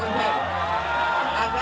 oh gak ada